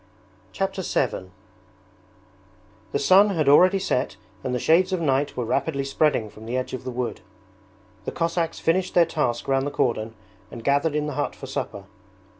Chapter VII The sun had already set and the shades of night were rapidly spreading from the edge of the wood. The Cossacks finished their task round the cordon and gathered in the hut for supper.